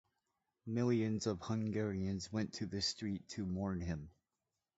Millions of Hungarians went to the streets to mourn him.